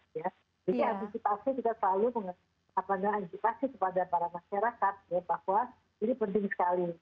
jadi antisipasi kita selalu mengadvancarai kepada para masyarakat bahwa ini penting sekali